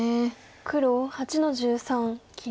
黒８の十三切り。